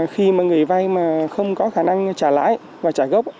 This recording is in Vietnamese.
khi mà người vay mà không có khả năng trả lãi và trả gốc